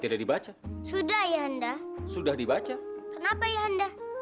dan kian santang